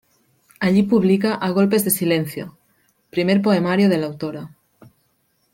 Allí publica "A Golpes de Silencio", primer poemario de la autora.